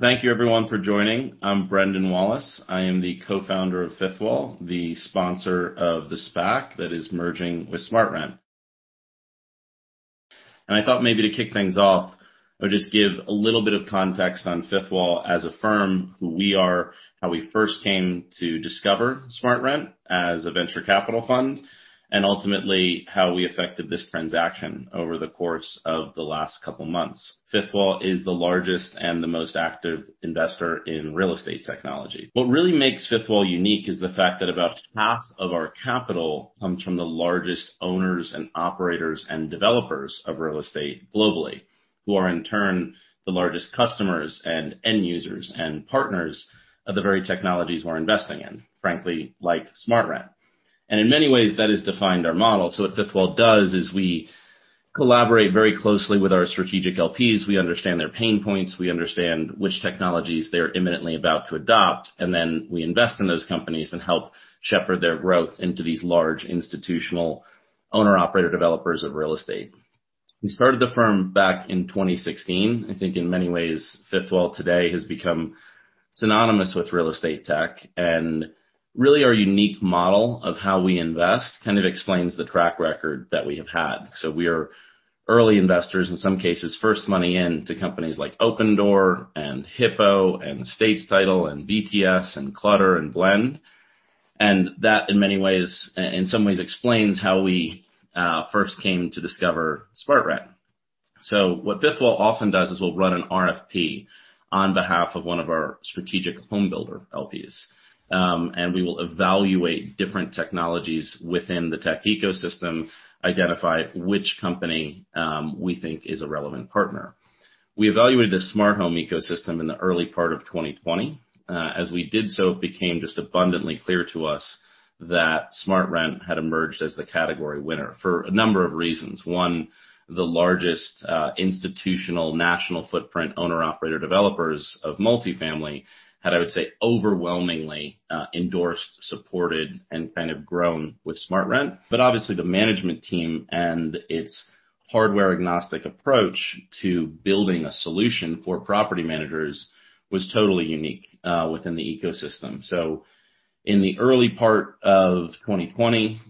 Thank you everyone for joining. I'm Brendan Wallace. I am the co-founder of Fifth Wall, the sponsor of the SPAC that is merging with SmartRent. I thought maybe to kick things off, I would just give a little bit of context on Fifth Wall as a firm, who we are, how we first came to discover SmartRent as a venture capital fund, and ultimately how we effected this transaction over the course of the last couple of months. Fifth Wall is the largest and the most active investor in real estate technology. What really makes Fifth Wall unique is the fact that about half of our capital comes from the largest owners and operators and developers of real estate globally, who are in turn the largest customers and end users and partners of the very technologies we're investing in, frankly, like SmartRent. In many ways, that has defined our model. What Fifth Wall does is we collaborate very closely with our strategic LPs. We understand their pain points, we understand which technologies they're imminently about to adopt, and then we invest in those companies and help shepherd their growth into these large institutional owner/operator developers of real estate. We started the firm back in 2016. I think in many ways, Fifth Wall today has become synonymous with real estate tech, and really our unique model of how we invest kind of explains the track record that we have had. We are early investors, in some cases, first money in to companies like Opendoor and Hippo and States Title and VTS and Clutter and Blend. That, in many ways, in some ways explains how we first came to discover SmartRent. What Fifth Wall often does is we'll run an RFP on behalf of one of our strategic home builder LPs. We will evaluate different technologies within the tech ecosystem, identify which company we think is a relevant partner. We evaluated the smart home ecosystem in the early part of 2020. As we did so, it became just abundantly clear to us that SmartRent had emerged as the category winner for a number of reasons. One, the largest institutional national footprint owner/operator developers of multifamily had, I would say, overwhelmingly endorsed, supported, and kind of grown with SmartRent. Obviously the management team and its hardware-agnostic approach to building a solution for property managers was totally unique within the ecosystem. In the early part of 2020,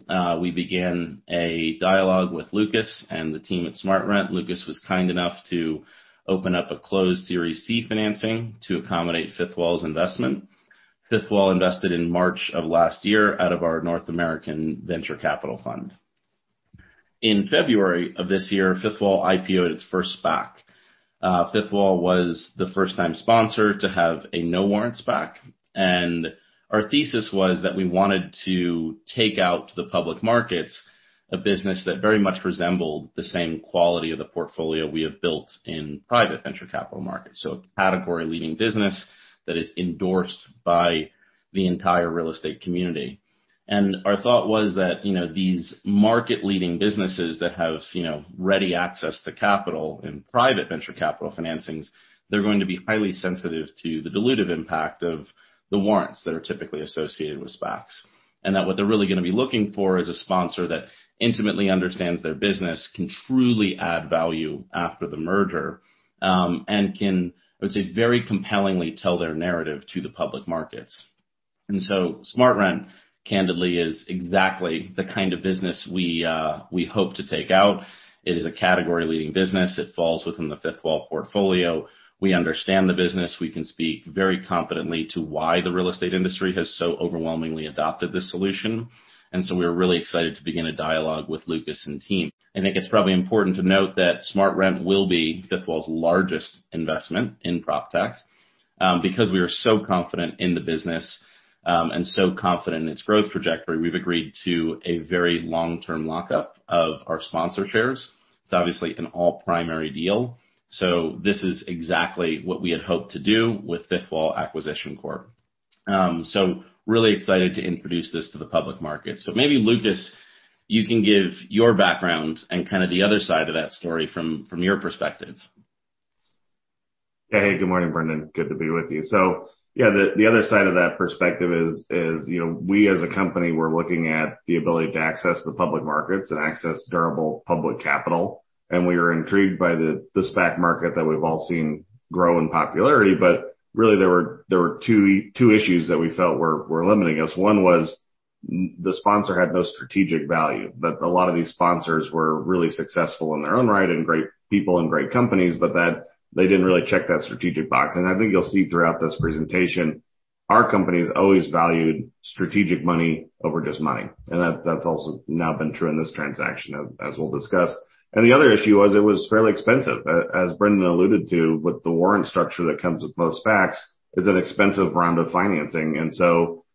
we began a dialogue with Lucas and the team at SmartRent. Lucas was kind enough to open up a closed Series C financing to accommodate Fifth Wall's investment. Fifth Wall invested in March of last year out of our North American Venture Capital fund. In February of this year, Fifth Wall IPO'd its first SPAC. Fifth Wall was the first time sponsor to have a no-warrant SPAC. Our thesis was that we wanted to take out to the public markets a business that very much resembled the same quality of the portfolio we have built in private venture capital markets. A category leading business that is endorsed by the entire real estate community. Our thought was that these market-leading businesses that have ready access to capital in private venture capital financings, they're going to be highly sensitive to the dilutive impact of the warrants that are typically associated with SPACs. That what they're really going to be looking for is a sponsor that intimately understands their business, can truly add value after the merger, and can, I would say, very compellingly tell their narrative to the public markets. SmartRent, candidly, is exactly the kind of business we hope to take out. It is a category-leading business. It falls within the Fifth Wall portfolio. We understand the business. We can speak very confidently to why the real estate industry has so overwhelmingly adopted this solution. We're really excited to begin a dialogue with Lucas and team. I think it's probably important to note that SmartRent will be Fifth Wall's largest investment in PropTech. Because we are so confident in the business, and so confident in its growth trajectory, we've agreed to a very long-term lockup of our sponsor shares. It's obviously an all-primary deal. This is exactly what we had hoped to do with Fifth Wall Acquisition Corp. Really excited to introduce this to the public market. Maybe, Lucas, you can give your background and kind of the other side of that story from your perspective. Good morning, Brendan. Good to be with you. The other side of that perspective is we as a company, were looking at the ability to access the public markets and access durable public capital. We were intrigued by the SPAC market that we've all seen grow in popularity. There were two issues that we felt were limiting us. One was the sponsor had no strategic value, but a lot of these sponsors were really successful in their own right and great people and great companies, but they didn't really check that strategic box. I think you'll see throughout this presentation, our company's always valued strategic money over just money. That's also now been true in this transaction, as we'll discuss. The other issue was it was fairly expensive. As Brendan alluded to, with the warrant structure that comes with most SPACs, it is an expensive round of financing.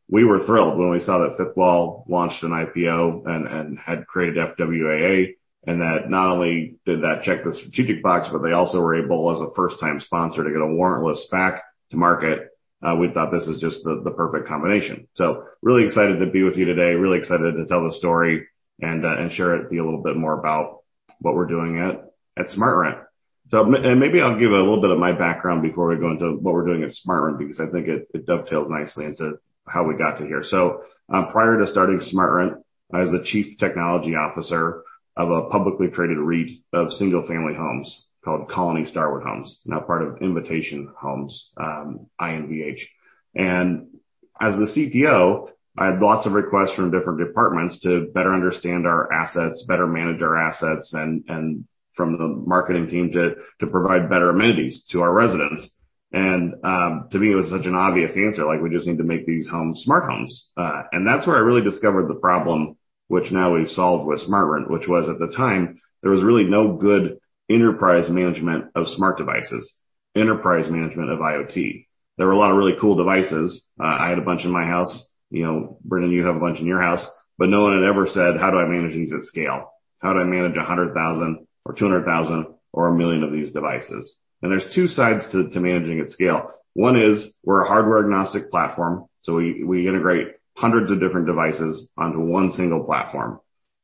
We were thrilled when we saw that Fifth Wall launched an IPO and had created FWA. That not only did that check the strategic box, but they also were able, as a first-time sponsor, to get a warrantless SPAC to market. We thought this is just the perfect combination. Really excited to be with you today. Really excited to tell the story and share with you a little bit more about what we are doing at SmartRent. Maybe I will give a little bit of my background before we go into what we are doing at SmartRent, because I think it dovetails nicely into how we got to here. Prior to starting SmartRent, I was the Chief Technology Officer of a publicly traded REIT of single-family homes called Colony Starwood Homes, now part of Invitation Homes, INVH. As the CTO, I had lots of requests from different departments to better understand our assets, better manage our assets, and from the marketing team to provide better amenities to our residents. To me, it was such an obvious answer. We just need to make these homes smart homes. That's where I really discovered the problem, which now we've solved with SmartRent, which was at the time, there was really no good enterprise management of smart devices, enterprise management of IoT. There were a lot of really cool devices. I had a bunch in my house. Brendan, you have a bunch in your house. No one had ever said, "How do I manage these at scale? How do I manage 100,000 or 200,000 or 1 million of these devices? There's two sides to managing at scale. One is we're a hardware-agnostic platform, so we integrate hundreds of different devices onto one single platform.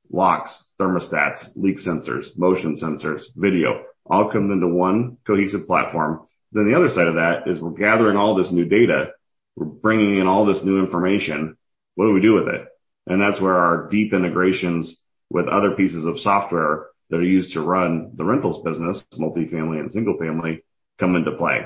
Locks, thermostats, leak sensors, motion sensors, video, all comes into one cohesive platform. The other side of that is we're gathering all this new data. We're bringing in all this new information. What do we do with it? That's where our deep integrations with other pieces of software that are used to run the rentals business, multifamily and single-family, come into play.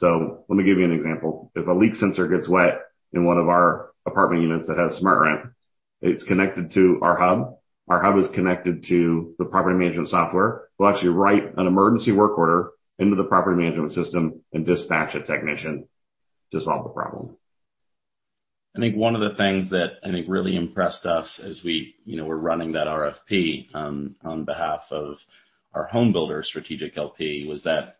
Let me give you an example. If a leak sensor gets wet in one of our apartment units that has SmartRent, it's connected to our hub. Our hub is connected to the property management software. We'll actually write an emergency work order into the property management system and dispatch a technician to solve the problem. I think one of the things that I think really impressed us as we were running that RFP on behalf of our home builder, Strategic LP, was that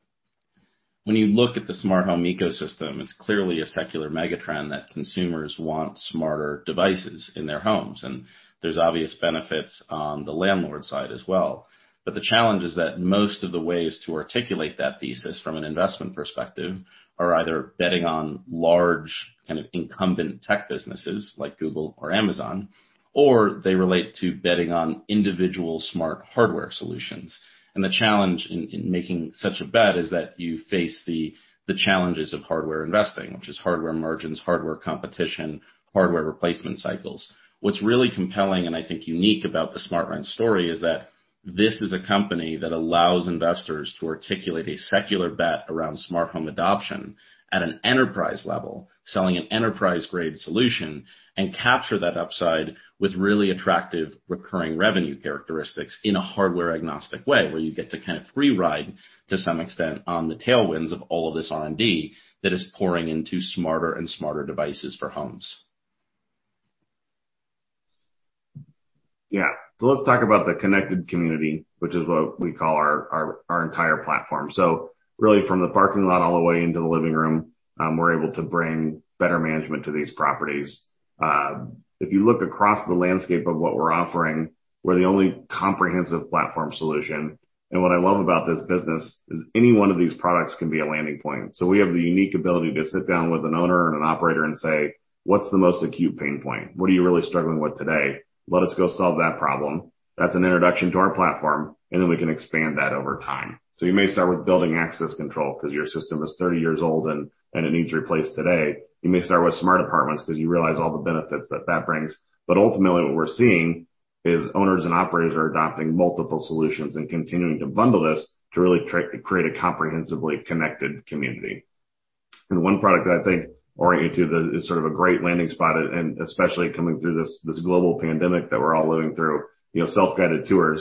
when you look at the smart home ecosystem, it's clearly a secular megatrend that consumers want smarter devices in their homes, and there's obvious benefits on the landlord side as well. The challenge is that most of the ways to articulate that thesis from an investment perspective are either betting on large incumbent tech businesses like Google or Amazon, or they relate to betting on individual smart hardware solutions. The challenge in making such a bet is that you face the challenges of hardware investing, which is hardware margins, hardware competition, hardware replacement cycles. What's really compelling and I think unique about the SmartRent story is that this is a company that allows investors to articulate a secular bet around smart home adoption at an enterprise level, selling an enterprise-grade solution, and capture that upside with really attractive recurring revenue characteristics in a hardware-agnostic way, where you get to kind of free ride, to some extent, on the tailwinds of all of this R&D that is pouring into smarter and smarter devices for homes. Yeah. Let's talk about the Connected Community, which is what we call our entire platform. Really from the parking lot all the way into the living room, we're able to bring better management to these properties. If you look across the landscape of what we're offering, we're the only comprehensive platform solution. What I love about this business is any one of these products can be a landing point. We have the unique ability to sit down with an owner and an operator and say, "What's the most acute pain point? What are you really struggling with today? Let us go solve that problem." That's an introduction to our platform, and then we can expand that over time. You may start with building access control because your system is 30 years old and it needs replaced today. You may start with smart apartments because you realize all the benefits that that brings. Ultimately, what we're seeing is owners and operators are adopting multiple solutions and continuing to bundle this to really create a comprehensively Connected Community. One product that I think orients you is sort of a great landing spot, and especially coming through this global pandemic that we're all living through, self-guided tours.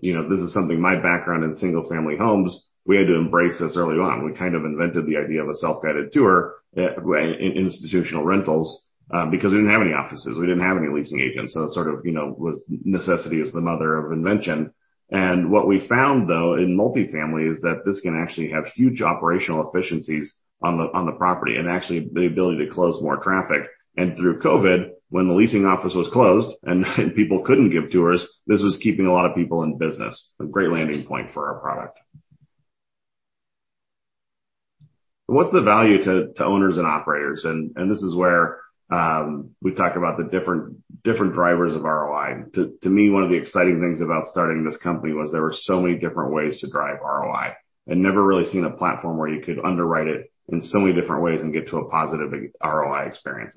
This is something, my background in single-family homes, we had to embrace this early on. We kind of invented the idea of a self-guided tour in institutional rentals because we didn't have any offices, we didn't have any leasing agents. It sort of was necessity is the mother of invention. What we found, though, in multifamily is that this can actually have huge operational efficiencies on the property and actually the ability to close more traffic. Through COVID, when the leasing office was closed and people couldn't give tours, this was keeping a lot of people in business. A great landing point for our product. What's the value to owners and operators? This is where we talk about the different drivers of ROI. To me, one of the exciting things about starting this company was there were so many different ways to drive ROI. I'd never really seen a platform where you could underwrite it in so many different ways and get to a positive ROI experience.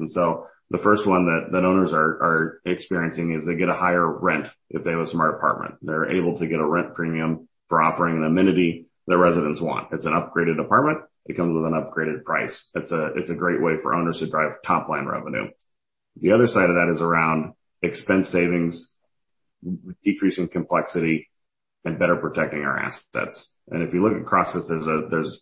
The first one that owners are experiencing is they get a higher rent if they have a smart apartment. They're able to get a rent premium for offering an amenity that residents want. It's an upgraded apartment, it comes with an upgraded price. It's a great way for owners to drive top-line revenue. The other side of that is around expense savings, decreasing complexity, and better protecting our assets. If you look across this, there's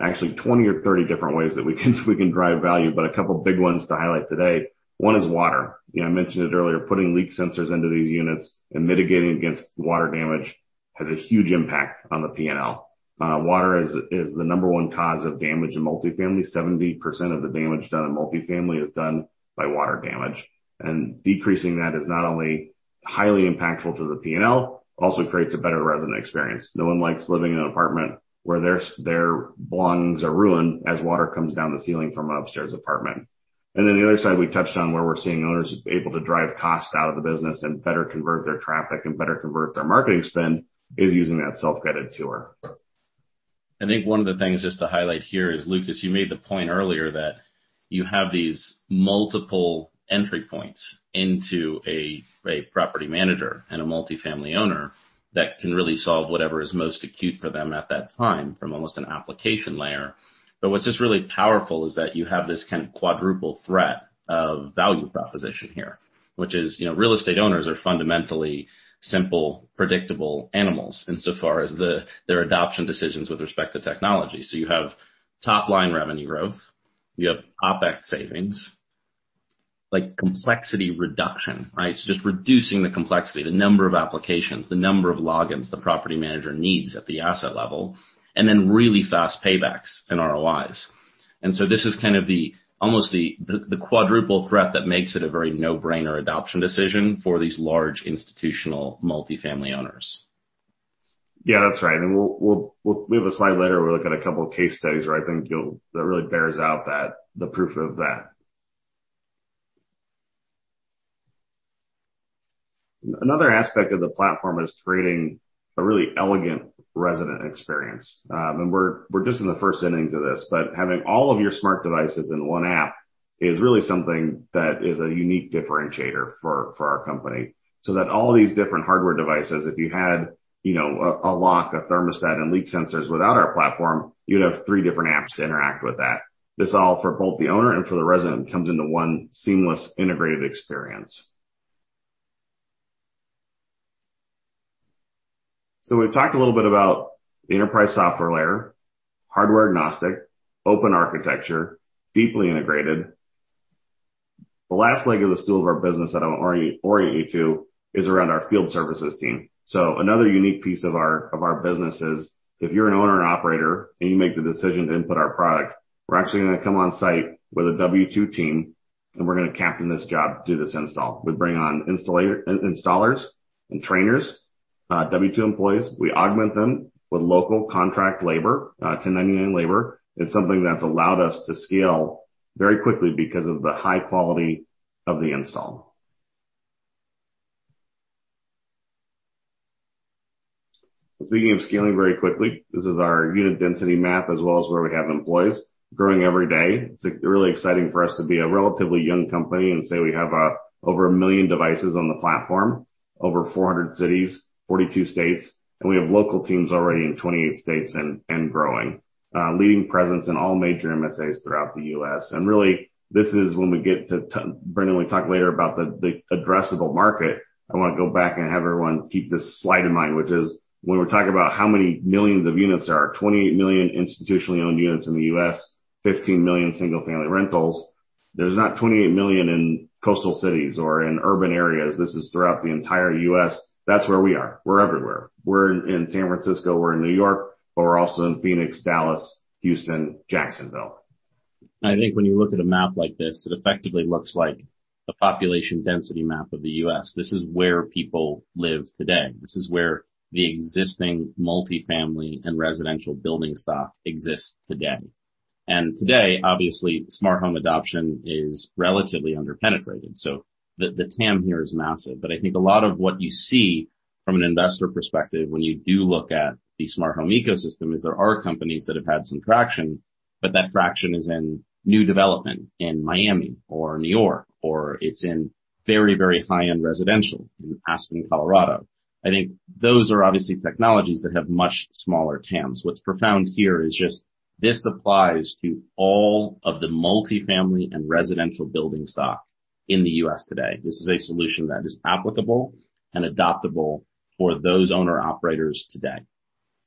actually 20 or 30 different ways that we can drive value, but a couple big ones to highlight today. One is water. I mentioned it earlier, putting leak sensors into these units and mitigating against water damage has a huge impact on the P&L. Water is the number one cause of damage in multifamily. 70% of the damage done in multifamily is done by water damage. Decreasing that is not only highly impactful to the P&L, also creates a better resident experience. No one likes living in an apartment where their belongings are ruined as water comes down the ceiling from an upstairs apartment. The other side we touched on where we're seeing owners able to drive cost out of the business and better convert their traffic and better convert their marketing spend is using that self-guided tour. I think one of the things just to highlight here is, Lucas, you made the point earlier that you have these multiple entry points into a property manager and a multifamily owner that can really solve whatever is most acute for them at that time from almost an application layer. But what's just really powerful is that you have this kind of quadruple threat of value proposition here, which is real estate owners are fundamentally simple, predictable animals insofar as their adoption decisions with respect to technology. So you have top-line revenue growth, you have OpEx savings, complexity reduction, right? So just reducing the complexity, the number of applications, the number of logins the property manager needs at the asset level, and then really fast paybacks and ROIs. This is kind of almost the quadruple threat that makes it a very no-brainer adoption decision for these large institutional multifamily owners. Yeah, that's right. We have a slide later where we look at a couple of case studies where I think that really bears out the proof of that. Another aspect of the platform is creating a really elegant resident experience. We're just in the first innings of this, but having all of your smart devices in one app is really something that is a unique differentiator for our company, so that all these different hardware devices, if you had a lock, a thermostat, and leak sensors without our platform, you'd have three different apps to interact with that. This all for both the owner and for the resident comes into one seamless integrated experience. We've talked a little bit about the enterprise software layer, hardware agnostic, open architecture, deeply integrated. The last leg of the stool of our business that I want to orient you to is around our field services team. Another unique piece of our business is if you're an owner and operator and you make the decision to input our product, we're actually going to come on-site with a W2 team, and we're going to captain this job to do this install. We bring on installers and trainers, W2 employees. We augment them with local contract labor, 1099 labor. It's something that's allowed us to scale very quickly because of the high quality of the install. Speaking of scaling very quickly, this is our unit density map as well as where we have employees growing every day. It's really exciting for us to be a relatively young company and say we have over 1 million devices on the platform, over 400 cities, 42 states, and we have local teams already in 28 states and growing. Really, this is when we get to, Brendan, we talk later about the addressable market. I want to go back and have everyone keep this slide in mind, which is when we're talking about how many millions of units there are, 28 million institutionally owned units in the U.S., 15 million single-family rentals. There's not 28 million in coastal cities or in urban areas. This is throughout the entire U.S. That's where we are. We're everywhere. We're in San Francisco, we're in New York, but we're also in Phoenix, Dallas, Houston, Jacksonville. I think when you look at a map like this, it effectively looks like a population density map of the U.S. This is where people live today. This is where the existing multifamily and residential building stock exists today. Today, obviously, smart home adoption is relatively under-penetrated. The TAM here is massive. I think a lot of what you see from an investor perspective when you do look at the smart home ecosystem is there are companies that have had some traction, but that traction is in new development in Miami or New York, or it's in very, very high-end residential in Aspen, Colorado. I think those are obviously technologies that have much smaller TAMs. What's profound here is just this applies to all of the multifamily and residential building stock in the U.S. today. This is a solution that is applicable and adoptable for those owner-operators today.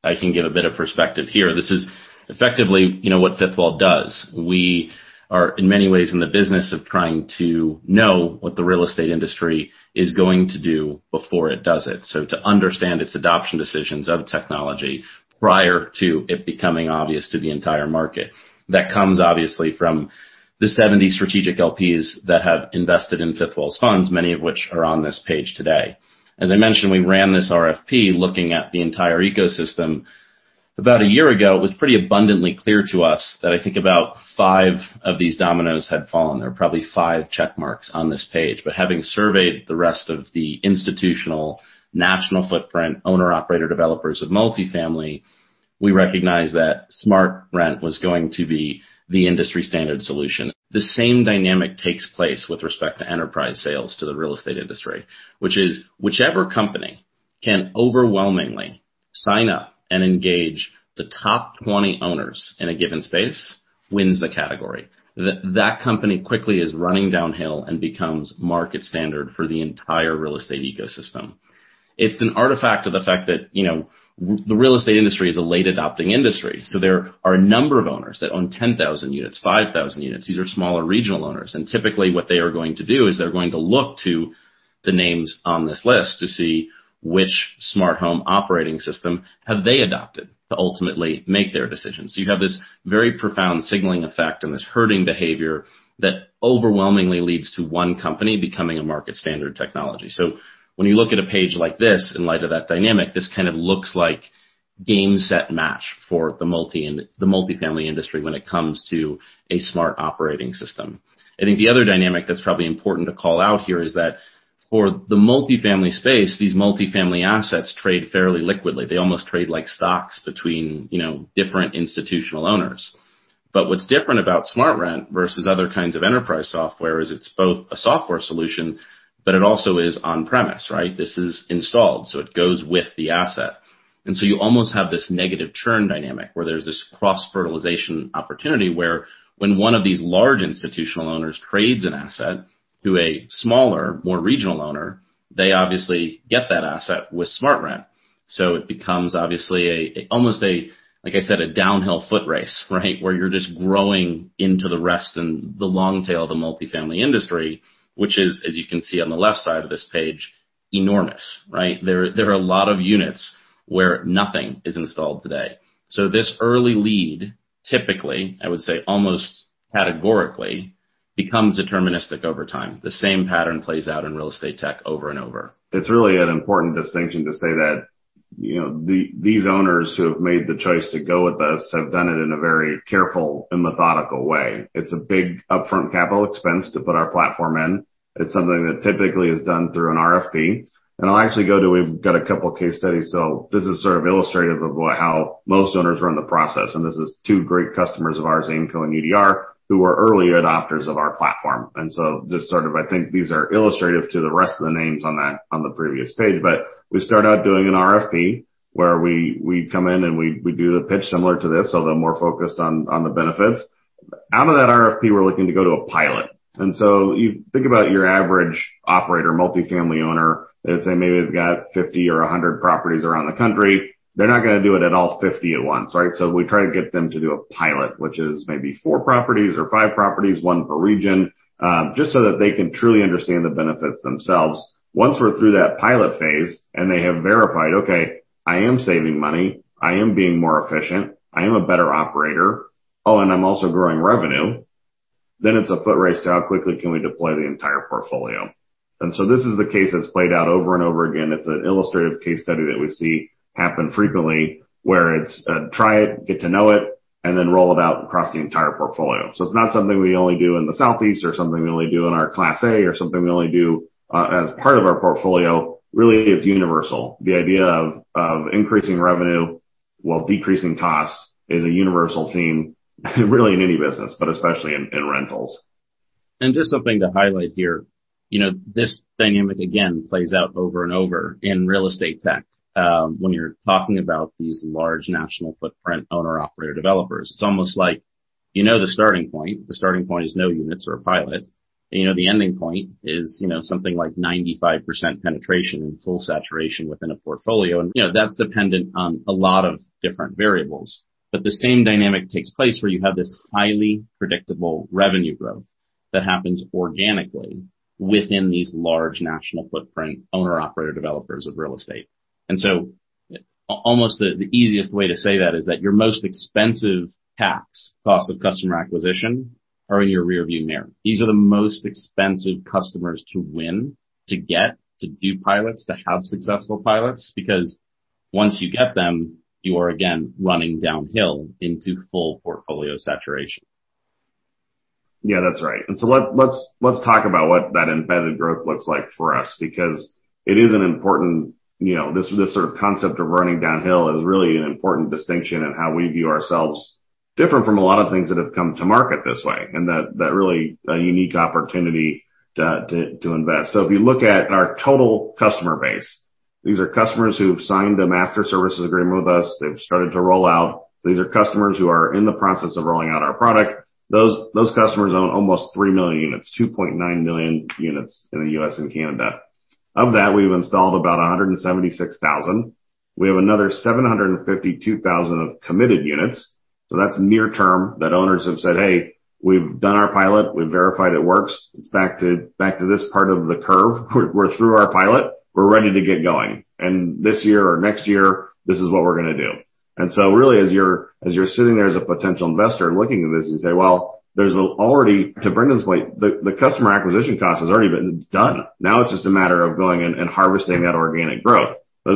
I can give a bit of perspective here. This is effectively what Fifth Wall does. We are, in many ways, in the business of trying to know what the real estate industry is going to do before it does it. To understand its adoption decisions of technology prior to it becoming obvious to the entire market. That comes obviously from the 70 strategic LPs that have invested in Fifth Wall's funds, many of which are on this page today. As I mentioned, we ran this RFP looking at the entire ecosystem. About a year ago, it was pretty abundantly clear to us that I think about five of these dominoes had fallen. There were probably five check marks on this page. Having surveyed the rest of the institutional, national footprint owner/operator developers of multifamily, we recognized that SmartRent was going to be the industry-standard solution. The same dynamic takes place with respect to enterprise sales to the real estate industry, which is whichever company can overwhelmingly sign up and engage the top 20 owners in a given space wins the category. That company quickly is running downhill and becomes market standard for the entire real estate ecosystem. It's an artifact of the fact that the real estate industry is a late adopting industry. There are a number of owners that own 10,000 units, 5,000 units. These are smaller regional owners, and typically what they are going to do is they're going to look to the names on this list to see which smart home operating system have they adopted to ultimately make their decisions. You have this very profound signaling effect and this herding behavior that overwhelmingly leads to one company becoming a market standard technology. When you look at a page like this, in light of that dynamic, this kind of looks like game, set, match for the multifamily industry when it comes to a smart operating system. I think the other dynamic that's probably important to call out here is that For the multifamily space, these multifamily assets trade fairly liquidly. They almost trade like stocks between different institutional owners. What's different about SmartRent versus other kinds of enterprise software is it's both a software solution, but it also is on-premise, right? This is installed, so it goes with the asset. You almost have this negative churn dynamic where there's this cross-fertilization opportunity where when one of these large institutional owners trades an asset to a smaller, more regional owner, they obviously get that asset with SmartRent. It becomes obviously almost a, like I said, a downhill foot race, right? Where you're just growing into the rest and the long tail of the multifamily industry, which is, as you can see on the left side of this page, enormous, right? There are a lot of units where nothing is installed today. This early lead, typically, I would say almost categorically, becomes deterministic over time. The same pattern plays out in real estate tech over and over. It's really an important distinction to say that, these owners who have made the choice to go with us have done it in a very careful and methodical way. It's a big upfront capital expense to put our platform in. It's something that typically is done through an RFP. I'll actually go to, we've got a couple case studies. This is sort of illustrative of how most owners run the process, and this is two great customers of ours, Aimco and UDR, who are early adopters of our platform. I think these are illustrative to the rest of the names on the previous page. We start out doing an RFP, where we come in and we do the pitch similar to this, although more focused on the benefits. Out of that RFP, we're looking to go to a pilot. You think about your average operator, multifamily owner, let's say maybe they've got 50 or 100 properties around the country. They're not going to do it at all 50 at once, right? We try to get them to do a pilot, which is maybe four properties or five properties, one per region, just so that they can truly understand the benefits themselves. Once we're through that pilot phase and they have verified, okay, I am saving money, I am being more efficient, I am a better operator, oh, and I'm also growing revenue, then it's a foot race to how quickly can we deploy the entire portfolio. This is the case that's played out over and over again. It's an illustrative case study that we see happen frequently where it's try it, get to know it, and then roll it out across the entire portfolio. It's not something we only do in the Southeast or something we only do in our Class A or something we only do as part of our portfolio. Really, it's universal. The idea of increasing revenue while decreasing costs is a universal theme really in any business, but especially in rentals. Just something to highlight here. This dynamic, again, plays out over and over in real estate tech. When you're talking about these large national footprint owner/operator developers, it's almost like you know the starting point. The starting point is no units or a pilot. You know the ending point is something like 95% penetration and full saturation within a portfolio. That's dependent on a lot of different variables. The same dynamic takes place where you have this highly predictable revenue growth that happens organically within these large national footprint owner/operator developers of real estate. Almost the easiest way to say that is that your most expensive cost of customer acquisition, are in your rear view mirror. These are the most expensive customers to win, to get, to do pilots, to have successful pilots, because once you get them, you are again running downhill into full portfolio saturation. Yeah, that's right. Let's talk about what that embedded growth looks like for us, because it is an important, this sort of concept of running downhill is really an important distinction in how we view ourselves different from a lot of things that have come to market this way, and that really a unique opportunity to invest. If you look at our total customer base, these are customers who've signed a master services agreement with us. They've started to roll out. These are customers who are in the process of rolling out our product. Those customers own almost 3 million units, 2.9 million units in the U.S. and Canada. Of that, we've installed about 176,000. We have another 752,000 of committed units. That's near term that owners have said, "Hey, we've done our pilot. We've verified it works. It's back to this part of the curve. We're through our pilot. We're ready to get going. This year or next year, this is what we're going to do. Really, as you're sitting there as a potential investor looking at this and say, well, there's already, to Brendan's point, the customer acquisition cost has already been done. Now it's just a matter of going in and harvesting that organic growth. I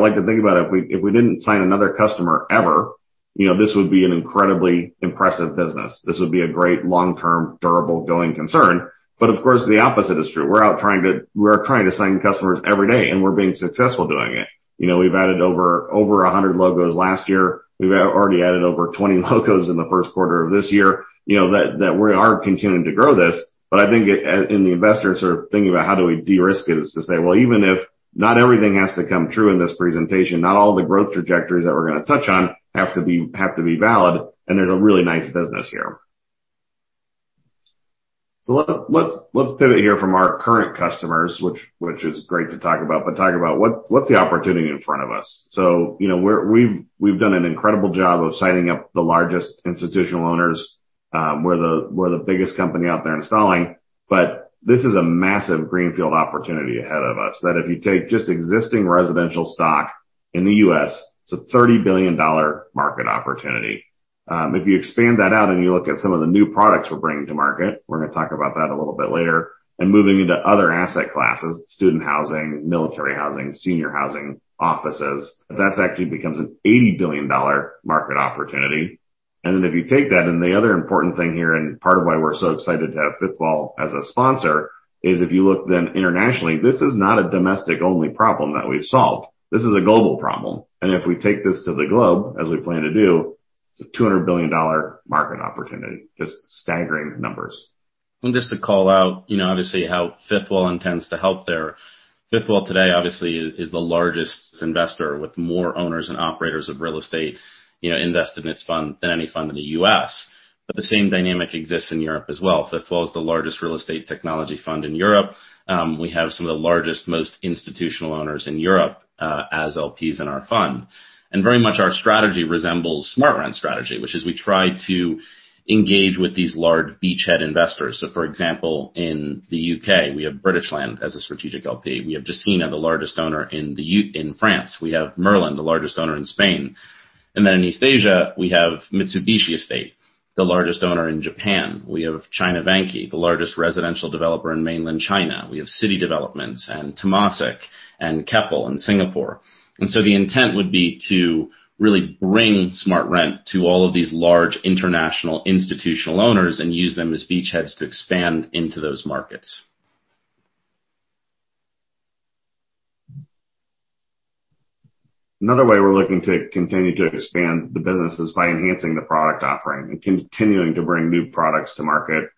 like to think about if we didn't sign another customer ever, this would be an incredibly impressive business. This would be a great long-term, durable, going concern. Of course, the opposite is true. We're out trying to sign customers every day, and we're being successful doing it. We've added over 100 logos last year. We've already added over 20 logos in the first quarter of this year. That we are continuing to grow this. I think in the investor sort of thinking about how do we de-risk it is to say, well, even if not everything has to come true in this presentation, not all the growth trajectories that we're going to touch on have to be valid, and there's a really nice business here. Let's pivot here from our current customers, which is great to talk about, but talk about what's the opportunity in front of us. We've done an incredible job of signing up the largest institutional owners. We're the biggest company out there installing. This is a massive greenfield opportunity ahead of us, that if you take just existing residential stock in the U.S., it's a $30 billion market opportunity. If you expand that out and you look at some of the new products we're bringing to market, we're going to talk about that a little bit later, and moving into other asset classes, student housing, military housing, senior housing, offices, that's actually becomes an $80 billion market opportunity. If you take that, and the other important thing here, and part of why we're so excited to have Fifth Wall as a sponsor, is if you look then internationally, this is not a domestic-only problem that we've solved. This is a global problem. If we take this to the globe, as we plan to do, it's a $200 billion market opportunity, just staggering numbers. Just to call out obviously how Fifth Wall intends to help there. Fifth Wall today obviously is the largest investor with more owners and operators of real estate, invested in its fund than any fund in the U.S. The same dynamic exists in Europe as well. Fifth Wall is the largest real estate technology fund in Europe. We have some of the largest, most institutional owners in Europe, as LPs in our fund. Very much our strategy resembles SmartRent strategy, which is we try to engage with these large beachhead investors. For example, in the U.K., we have British Land as a strategic LP. We have Gecina, the largest owner in France. We have Merlin, the largest owner in Spain. Then in East Asia, we have Mitsubishi Estate, the largest owner in Japan. We have China Vanke, the largest residential developer in mainland China. We have City Developments and Temasek and Keppel in Singapore. The intent would be to really bring SmartRent to all of these large international institutional owners and use them as beachheads to expand into those markets. Another way we're looking to continue to expand the business is by enhancing the product offering and continuing to bring new products to market.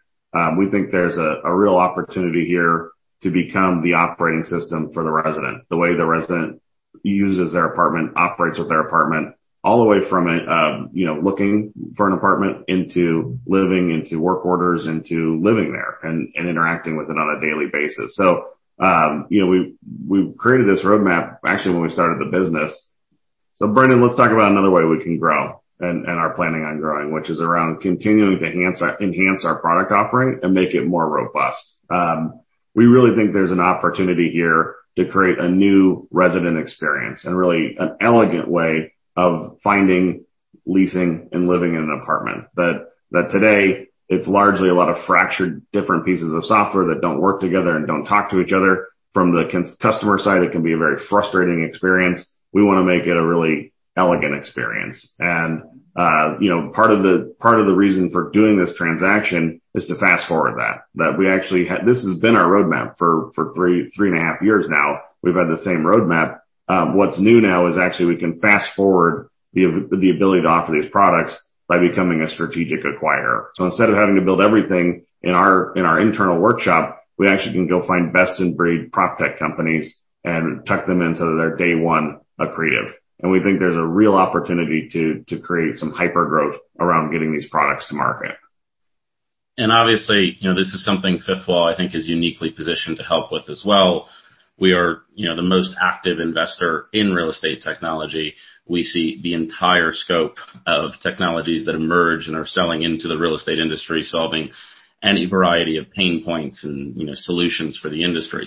We think there's a real opportunity here to become the operating system for the resident. The way the resident uses their apartment, operates with their apartment, all the way from looking for an apartment into living, into work orders, into living there and interacting with it on a daily basis. We created this roadmap actually when we started the business. Brendan, let's talk about another way we can grow and are planning on growing, which is around continuing to enhance our product offering and make it more robust. We really think there's an opportunity here to create a new resident experience and really an elegant way of finding leasing and living in an apartment. That today, it's largely a lot of fractured different pieces of software that don't work together and don't talk to each other. From the customer side, it can be a very frustrating experience. We want to make it a really elegant experience. Part of the reason for doing this transaction is to fast-forward that. This has been our roadmap for three and a half years now. We've had the same roadmap. What's new now is actually we can fast-forward the ability to offer these products by becoming a strategic acquirer. Instead of having to build everything in our internal workshop, we actually can go find best-in-breed PropTech companies and tuck them in so that they're day one accretive. We think there's a real opportunity to create some hypergrowth around getting these products to market. Obviously, this is something Fifth Wall, I think, is uniquely positioned to help with as well. We are the most active investor in real estate technology. We see the entire scope of technologies that emerge and are selling into the real estate industry, solving any variety of pain points and solutions for the industry.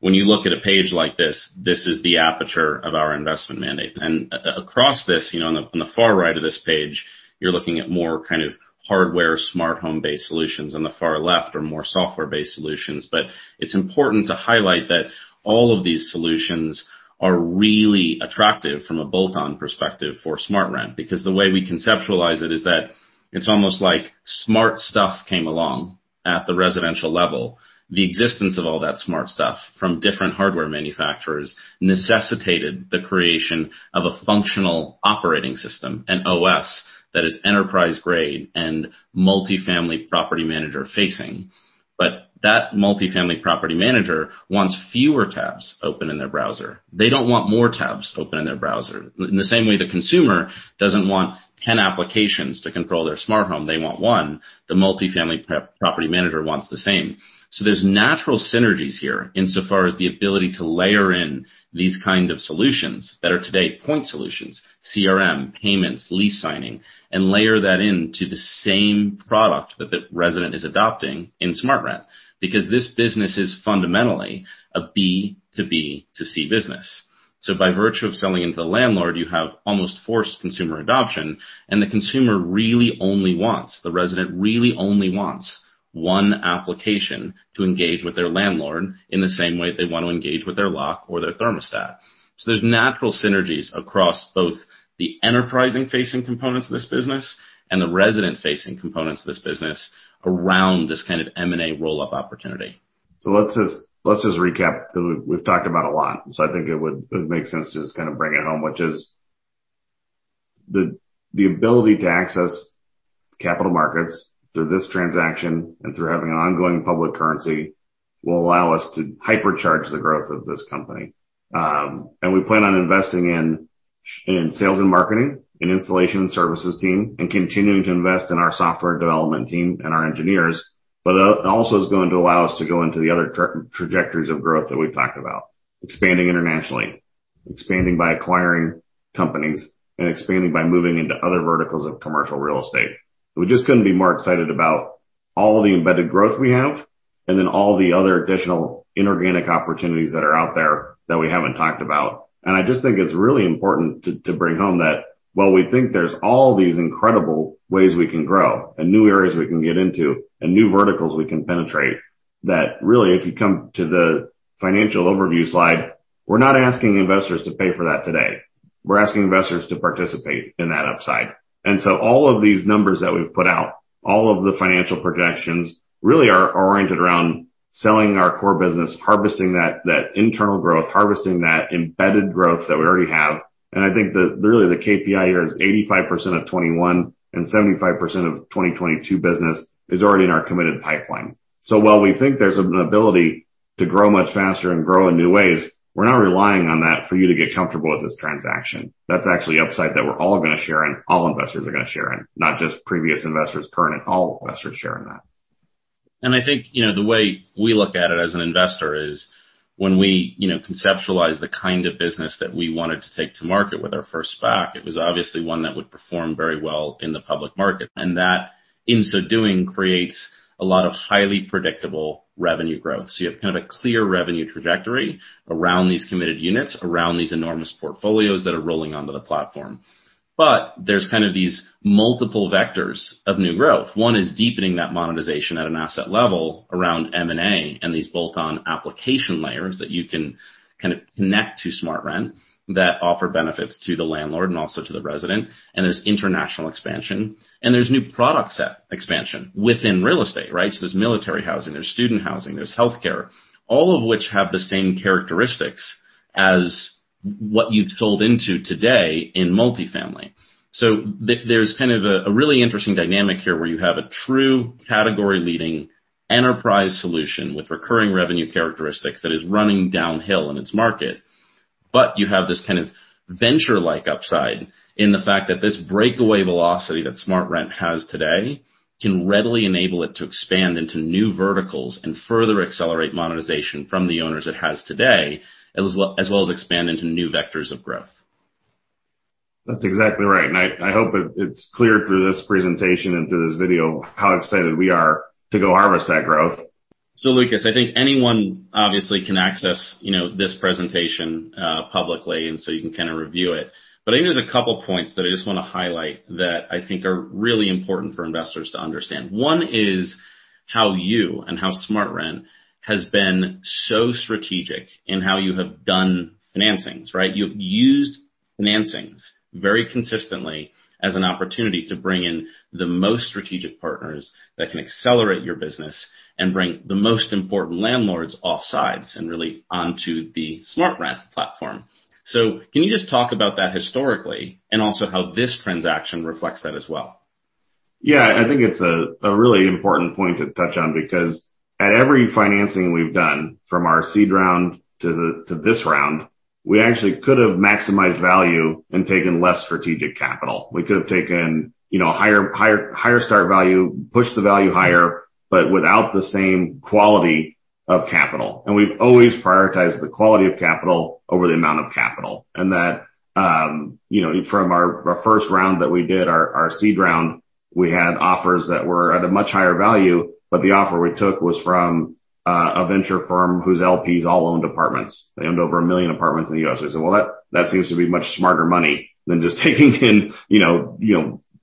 When you look at a page like this is the aperture of our investment mandate. Across this, on the far right of this page, you're looking at more kind of hardware, smart home-based solutions. On the far left are more software-based solutions. It's important to highlight that all of these solutions are really attractive from a bolt-on perspective for SmartRent, because the way we conceptualize it is that it's almost like smart stuff came along at the residential level. The existence of all that smart stuff from different hardware manufacturers necessitated the creation of a functional operating system, an OS, that is enterprise-grade and multifamily property manager facing. That multifamily property manager wants fewer tabs open in their browser. They don't want more tabs open in their browser. In the same way the consumer doesn't want 10 applications to control their smart home, they want one. The multifamily property manager wants the same. There's natural synergies here insofar as the ability to layer in these kind of solutions that are today point solutions, CRM, payments, lease signing, and layer that into the same product that the resident is adopting in SmartRent. Because this business is fundamentally a B2B2C business. By virtue of selling into the landlord, you have almost forced consumer adoption, and the consumer really only wants, the resident really only wants one application to engage with their landlord in the same way they want to engage with their lock or their thermostat. There's natural synergies across both the enterprising-facing components of this business and the resident-facing components of this business around this kind of M&A roll-up opportunity. Let's just recap because we've talked about a lot. I think it would make sense to just kind of bring it home, which is the ability to access capital markets through this transaction and through having an ongoing public currency will allow us to hypercharge the growth of this company. We plan on investing in sales and marketing, in installation services team, and continuing to invest in our software development team and our engineers. Also, it's going to allow us to go into the other trajectories of growth that we've talked about. Expanding internationally, expanding by acquiring companies, and expanding by moving into other verticals of commercial real estate. We just couldn't be more excited about all the embedded growth we have and then all the other additional inorganic opportunities that are out there that we haven't talked about. I just think it's really important to bring home that while we think there's all these incredible ways we can grow and new areas we can get into and new verticals we can penetrate, that really, if you come to the financial overview slide. We're not asking investors to pay for that today. We're asking investors to participate in that upside. All of these numbers that we've put out, all of the financial projections, really are oriented around selling our core business, harvesting that internal growth, harvesting that embedded growth that we already have. I think that really the KPI here is 85% of 2021 and 75% of 2022 business is already in our committed pipeline. While we think there's an ability to grow much faster and grow in new ways, we're not relying on that for you to get comfortable with this transaction. That's actually upside that we're all going to share in, all investors are going to share in, not just previous investors, current, all investors share in that. I think the way we look at it as an investor is when we conceptualize the kind of business that we wanted to take to market with our first SPAC, it was obviously one that would perform very well in the public market. That in so doing creates a lot of highly predictable revenue growth. You have a clear revenue trajectory around these committed units, around these enormous portfolios that are rolling onto the platform. There's these multiple vectors of new growth. One is deepening that monetization at an asset level around M&A and these bolt-on application layers that you can connect to SmartRent that offer benefits to the landlord and also to the resident. There's international expansion, and there's new product set expansion within real estate, right? There's military housing, there's student housing, there's healthcare, all of which have the same characteristics as what you've sold into today in multifamily. There's a really interesting dynamic here where you have a true category-leading enterprise solution with recurring revenue characteristics that is running downhill in its market. You have this venture-like upside in the fact that this breakaway velocity that SmartRent has today can readily enable it to expand into new verticals and further accelerate monetization from the owners it has today, as well as expand into new vectors of growth. That's exactly right. I hope it's clear through this presentation and through this video how excited we are to go harvest that growth. Lucas, I think anyone obviously can access this presentation publicly, and so you can review it. I think there's a couple points that I just want to highlight that I think are really important for investors to understand. One is how you and how SmartRent has been so strategic in how you have done financings, right? You've used financings very consistently as an opportunity to bring in the most strategic partners that can accelerate your business and bring the most important landlords off sides and really onto the SmartRent platform. Can you just talk about that historically, and also how this transaction reflects that as well? I think it's a really important point to touch on because at every financing we've done, from our seed round to this round, we actually could have maximized value and taken less strategic capital. We could have taken a higher start value, pushed the value higher, but without the same quality of capital. We've always prioritized the quality of capital over the amount of capital. From our first round that we did, our seed round, we had offers that were at a much higher value, but the offer we took was from a venture firm whose LPs all owned apartments. They owned over 1 million apartments in the U.S. We said, "Well, that seems to be much smarter money than just taking in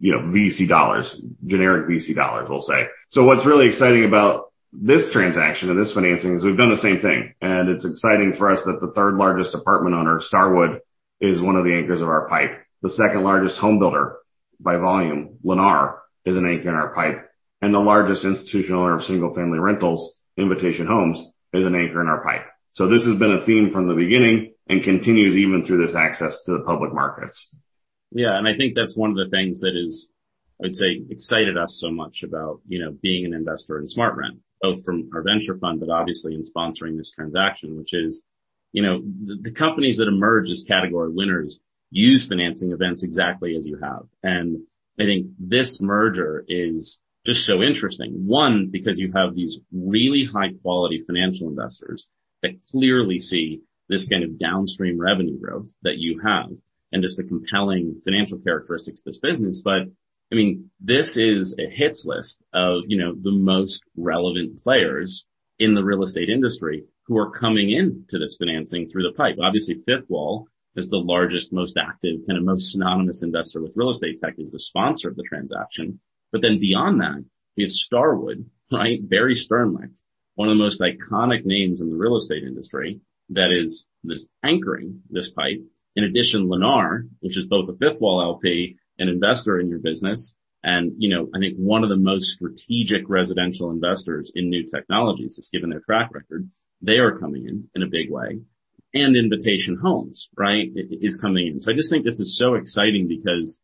VC dollars," generic VC dollars, we'll say. What's really exciting about this transaction and this financing is we've done the same thing. It's exciting for us that the third largest apartment owner, Starwood, is one of the anchors of our PIPE. The second largest home builder by volume, Lennar, is an anchor in our PIPE. The largest institutional owner of single-family rentals, Invitation Homes, is an anchor in our PIPE. This has been a theme from the beginning and continues even through this access to the public markets. Yeah. I think that's one of the things that is, I'd say, excited us so much about being an investor in SmartRent, both from our venture fund, but obviously in sponsoring this transaction, which is the companies that emerge as category winners use financing events exactly as you have. I think this merger is just so interesting. One, because you have these really high-quality financial investors that clearly see this kind of downstream revenue growth that you have and just the compelling financial characteristics of this business. I mean, this is a hits list of the most relevant players in the real estate industry who are coming into this financing through the PIPE. Obviously, Fifth Wall is the largest, most active, most synonymous investor with real estate tech, is the sponsor of the transaction. Beyond that, you have Starwood, right? Barry Sternlicht, one of the most iconic names in the real estate industry that is this anchoring this PIPE. Lennar, which is both a Fifth Wall LP and investor in your business, and I think one of the most strategic residential investors in new technologies, just given their track record. They are coming in in a big way, Invitation Homes is coming in. I just think this is so exciting because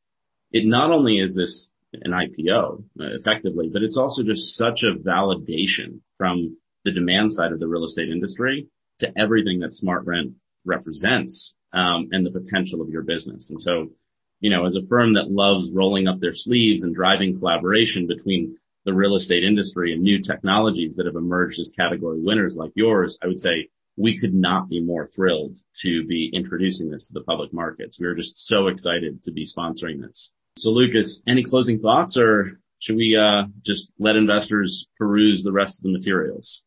it not only is this an IPO, effectively, but it's also just such a validation from the demand side of the real estate industry to everything that SmartRent represents and the potential of your business. As a firm that loves rolling up their sleeves and driving collaboration between the real estate industry and new technologies that have emerged as category winners like yours, I would say we could not be more thrilled to be introducing this to the public markets. We are just so excited to be sponsoring this. Lucas, any closing thoughts, or should we just let investors peruse the rest of the materials?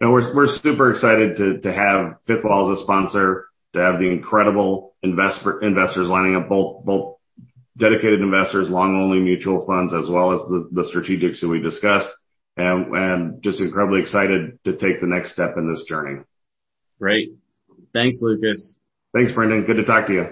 No, we're super excited to have Fifth Wall as a sponsor, to have the incredible investors lining up, both dedicated investors, long-only mutual funds, as well as the strategics that we discussed, and just incredibly excited to take the next step in this journey. Great. Thanks, Lucas. Thanks, Brendan. Good to talk to you